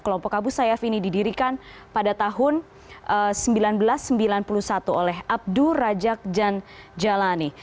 kelompok abu sayyaf ini didirikan pada tahun seribu sembilan ratus sembilan puluh satu oleh abdu rajak janjalani